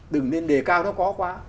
đừng nên đề cao nó khó quá